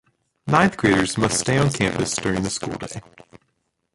Ninth graders must stay on campus during the school day.